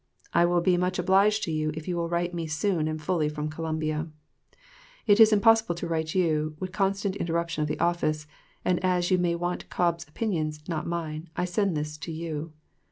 I will be much obliged to you if you will write me soon and fully from Columbia. It is impossible to write to you, with the constant interruption of the office, and as you want Cobb's opinions, not mine, I send this to you.